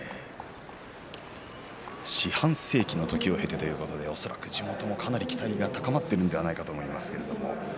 四半世紀の時を経てということで地元の期待も高まっているんじゃないかと思います。